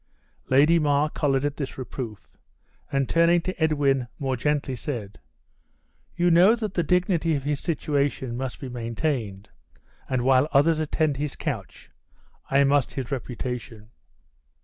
Lady Mar colored at this reproof, and, turning to Edwin, more gently said, "You know that the dignity of his situation must be maintained; and while others attend his couch, I must his reputation."